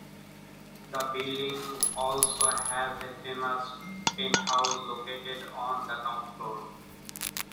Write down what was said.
The building also has a famous penthouse located on the top floor.